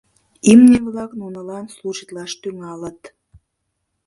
Имне-влак нунылан служитлаш тӱҥалыт.